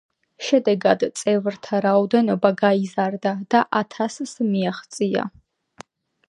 შედეგად, წევრთა რაოდენობა გაიზარდა და ათასს მიაღწია.